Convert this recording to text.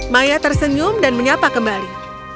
maya tersenyum dan menyapa kembali